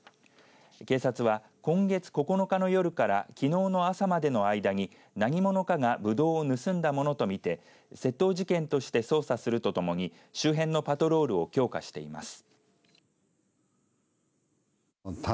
警察は、今月９日の夜からきのうの朝までの間に何者かがぶどうを盗んだものとみて窃盗事件として捜査するとともに周辺のパトロールを強化しています。